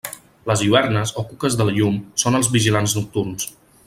Les lluernes, o cuques de la llum, són els vigilants nocturns.